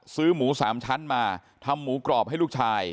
ซื้อหมูสามชั้นมาทำหมูกรอบให้ลูกชาย